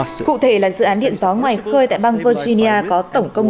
cụ thể là dự án điện gió ngoài khơi tại bang virginia có tổng công